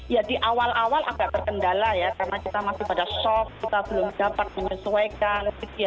ya di awal awal agak terkendala ya karena kita masih pada shock kita belum dapat menyesuaikan